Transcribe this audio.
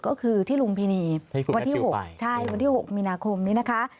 ก็คือที่ลุงพินีวันที่๖มีนาคมนี้นะคะ